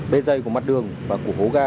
bê dây của mặt đường và của hố ga